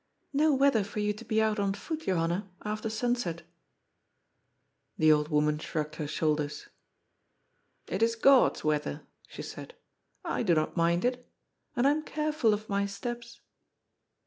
^* No weather for you to be oat on foot, Johanna, after son set" The old woman shrugged her shoulders. ^^ It Lb God's weather," she said, ^* I do not mind it. And I am careful of my steps."